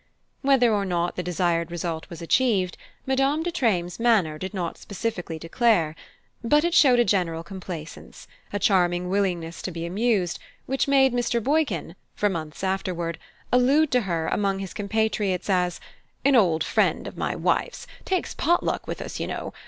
Whether or not the desired result was achieved, Madame de Treymes' manner did not specifically declare; but it showed a general complaisance, a charming willingness to be amused, which made Mr. Boykin, for months afterward, allude to her among his compatriots as "an old friend of my wife's takes potluck with us, you know.